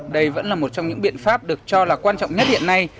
đây vẫn là một trong những biện pháp được cho là quan trọng nhất hiện nay